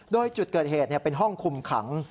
โดยจุดเกิดเหตุเป็นห้องคุมขัง